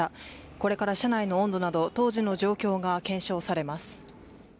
これから車内の温度など当時の状況が検証されます。